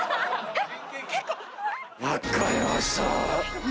えっ！？